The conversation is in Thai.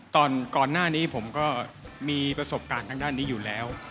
ก่อนหน้านี้ผมก็มีประสบการณ์ทางด้านนี้อยู่แล้ว